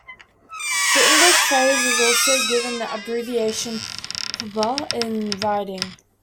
The English phrase is also given the abbreviation "pbuh" in writing.